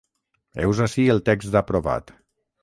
Heus ací el text aprovat.